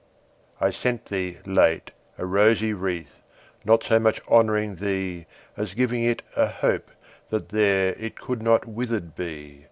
I sent thee, late, a rosy wreath, Not so much honouring thee, As giving it a hope, that there It could not withered be.